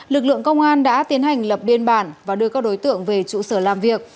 lực lượng công an đã tiến hành lập biên bản và đưa các đối tượng về trụ sở làm việc